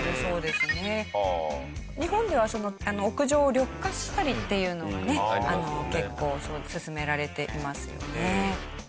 日本では屋上を緑化したりっていうのはね結構進められていますよね。